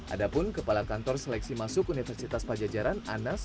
adapun kepala kantor seleksi masuk universitas pajajaran anas